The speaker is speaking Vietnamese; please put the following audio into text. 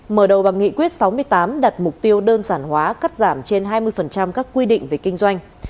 mở đầu bằng nghị quyết sáu mươi tám đặt mục tiêu đơn giản hóa cắt giảm trên hai mươi các quy định về kinh doanh